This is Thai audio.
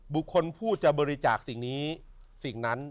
บุคคลผู้จะบริจาคสิ่งนี้สิ่งนั้น